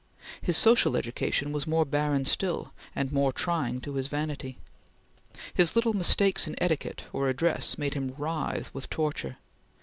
His social education was more barren still, and more trying to his vanity. His little mistakes in etiquette or address made him writhe with torture.